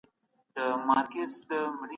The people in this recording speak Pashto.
د بيمې او بانکی ادارو خدمتونه پراخ کړئ.